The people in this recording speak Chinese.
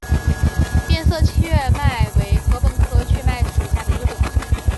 变色雀麦为禾本科雀麦属下的一个种。